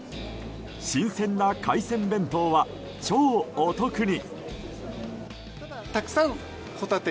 新鮮な海鮮弁当は超お得に。